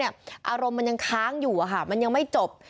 อารมณ์มันยังค้างอยู่มันยังไม่จบ